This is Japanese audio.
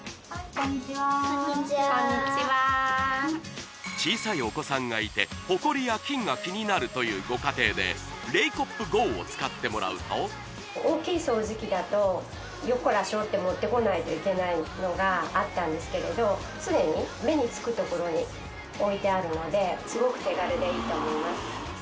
こんにちは小さいお子さんがいてホコリや菌がキニナルというご家庭でレイコップＧＯを使ってもらうと大きい掃除機だとよっこらしょって持ってこないといけないのがあったんですけれど常に目につくところに置いてあるのですごく手軽でいいと思います